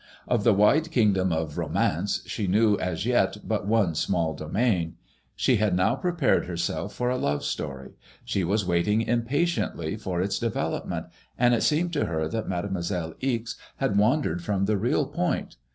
Of the wide kingdom of Romance she knew as yet but one small domain. She had now prepared herself for a love story ; she was waiting impatiently for its de velopment, and it seemed to her that Mademoiselle Ixe had wan dered from the real point.